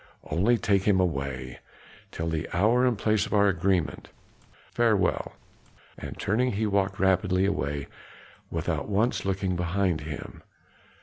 Only take him away. Till the hour and place of our agreement, farewell!" and turning he walked rapidly away, without once looking behind him.